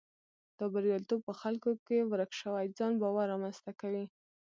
دا بریالیتوب په خلکو کې ورک شوی ځان باور رامنځته کوي.